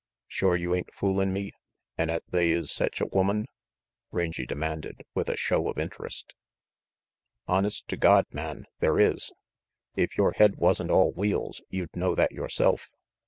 "Shore you ain't foolin' me, and 'at they is sech a woman?" Rangy demanded, with a show of interest. "Honest to God, man, there is. If your head RANGY PETE 97 wasn't all wheels, you'd know that yourself.